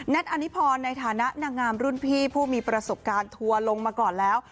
ตอนนี้พรในฐานะนางงามรุ่นพี่ผู้มีประสบการณ์ทัวร์ลงมาก่อนแล้ว